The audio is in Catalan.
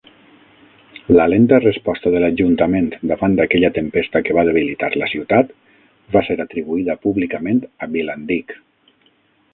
La lenta resposta de l'ajuntament davant d'aquella tempesta que va debilitar la ciutat va ser atribuïda públicament a Bilandic.